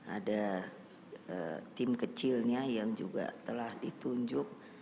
ada tim kecilnya yang juga telah ditunjuk